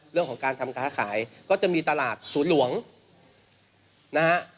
เรื่องของการทำค้าขายก็จะมีตลาดศูนย์หลวงนะฮะ